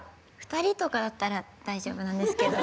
２人とかだったら大丈夫なんですけど。